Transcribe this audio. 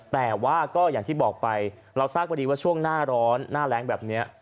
แต่ว่าก็อย่างที่บอกไปเราทราบพอดีว่าช่วงหน้าร้อนหน้าแรงแบบนี้